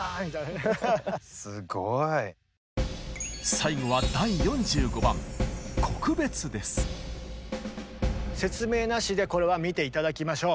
最後は説明なしでこれは見て頂きましょう。